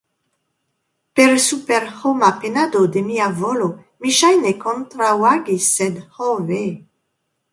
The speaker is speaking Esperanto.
Per superhoma penado de mia volo mi ŝajne kontraŭagis, sed ho ve!